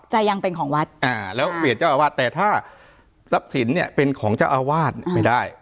ยังเป็นของวัดอ่าแล้วเปลี่ยนเจ้าอาวาสแต่ถ้าทรัพย์สินเนี่ยเป็นของเจ้าอาวาสไม่ได้